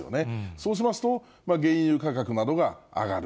そうしますと、原油価格などが上がる。